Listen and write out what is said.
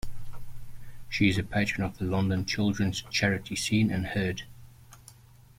She is a patron of the London children's charity Scene and Heard.